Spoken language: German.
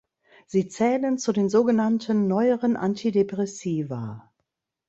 Sie zählen zu den sogenannten „neueren Antidepressiva“.